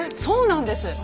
そうなんです。